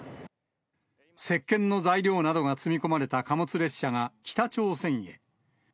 せっけんの材料などが積み込まれた貨物列車が北朝鮮へ。